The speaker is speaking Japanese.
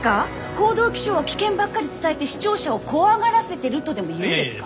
報道気象は危険ばっかり伝えて視聴者を怖がらせてるとでも言うんですか？